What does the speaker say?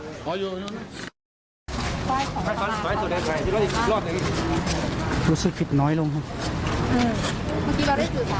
อืมเมื่อกี้เราได้สื่อชาญกับน้องใช่ไหมคะ